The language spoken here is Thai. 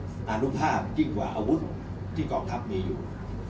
คือสื่อที่ทรงอนุภาพกินกว่าอาวุธที่กองทัพมีอยู่